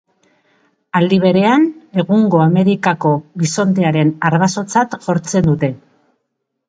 Aldi berean, egungo Amerikako bisontearen arbasotzat jotzen dute.